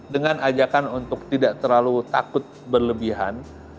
dengan ajakan untuk tidak terlalu takut berlebihan